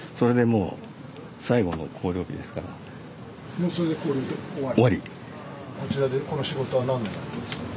もうそれで校了で終わり？